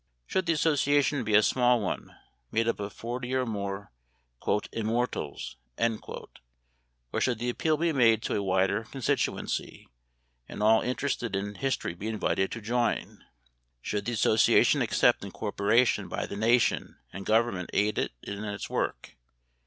Should the association be a small one, made up of forty or more "Immortals," or should the appeal be made to a wider constituency, and all interested in history be invited to join? Should the association accept incorporation by the nation and government aid in its work?